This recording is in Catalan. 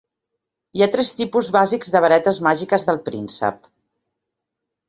Hi ha tres tipus bàsics de varetes màgiques del príncep.